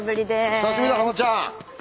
久しぶりだハマちゃん。